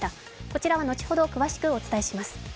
こちらは、後ほど詳しくお伝えします。